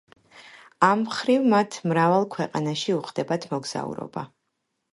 ამ მხრივ მათ მრავალ ქვეყანაში უხდებათ მოგზაურობა.